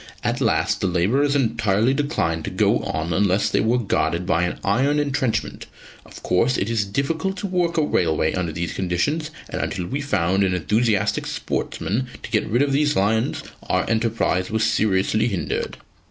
At last the labourers entirely declined to go on unless they were guarded by an iron entrenchment. Of course it is difficult to work a railway under these conditions, and until we found an enthusiastic sportsman to get rid of these lions, our enterprise was seriously hindered."